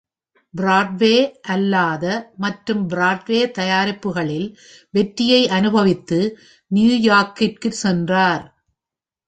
Broadway அல்லாத மற்றும் Broadway தயாரிப்புகளில் வெற்றியை அனுபவித்து நியூயார்க்கிற்கு சென்றார்.